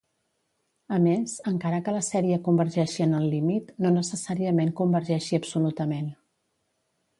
A més, encara que la sèrie convergeixi en el límit, no necessàriament convergeixi absolutament.